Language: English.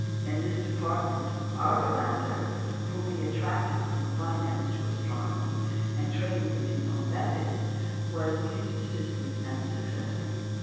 In this department Argelander, whom he attracted from finance to astronomy, and trained in his own methods, was his assistant and successor.